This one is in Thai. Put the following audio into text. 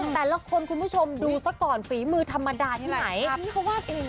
แต่ละคนคุณผู้ชมดูสักก่อนฝีมือธรรมดาที่ไหน